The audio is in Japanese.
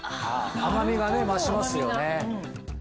甘みが増しますよね。